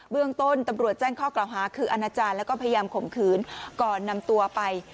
เรื่องต้นตำรวจแจ้งข้อกล่าวหาคืออาณาจารย์แล้วก็พยายามข่มขืนก่อนนำตัวไป